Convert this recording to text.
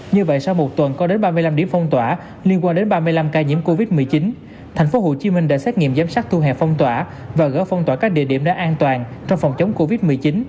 như vậy sau một tuần có đến ba mươi năm điểm phong tỏa liên quan đến ba mươi năm ca nhiễm covid một mươi chín tp hcm đã xét nghiệm giám sát thu hẹp phong tỏa và gỡ phong tỏa các địa điểm đến an toàn trong phòng chống covid một mươi chín